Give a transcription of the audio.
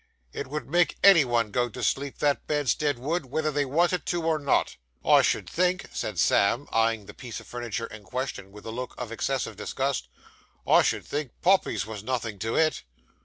'It would make any one go to sleep, that bedstead would, whether they wanted to or not.' 'I should think,' said Sam, eyeing the piece of furniture in question with a look of excessive disgust 'I should think poppies was nothing to it.